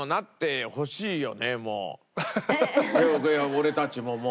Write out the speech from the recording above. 俺たちももう。